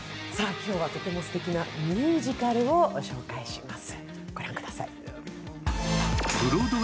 今日はとてもすてきなミュージカルをご紹介します。